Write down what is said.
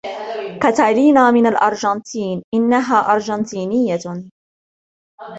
كاتالينا من الأرجنتين. إنها أرجنتينية.